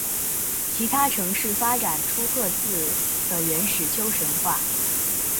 其他城市发展出各自的原始丘神话。